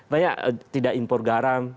banyak tidak impor garam